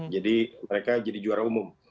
jadi mereka jadi juara umum